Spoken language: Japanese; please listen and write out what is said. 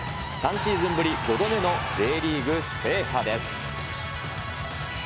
３シーズンぶり５度目のＪリーグ制覇です。